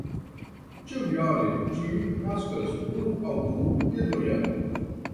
Ĉiufoje ĝi naskas unu aŭ du idojn.